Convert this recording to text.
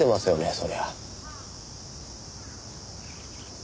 そりゃ。